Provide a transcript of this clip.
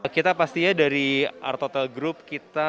kita pastinya dari art hotel group kita melakukan